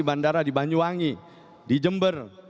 bandara di banyuwangi di jember